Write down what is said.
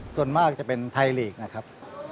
ส่วนมากจะเป็นไทยลีกนะครับ